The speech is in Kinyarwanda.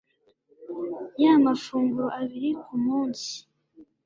Ya mafunguro abiri ku munsi